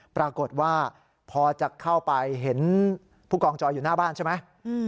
ปรากฏว่าพอจะเข้าไปเห็นผู้กองจอยอยู่หน้าบ้านใช่ไหม